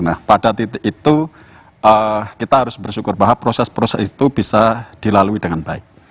nah pada titik itu kita harus bersyukur bahwa proses proses itu bisa dilalui dengan baik